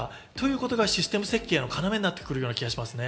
それがシステム設計の要になってくる気がします。